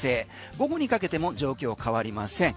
午後にかけても状況変わりません。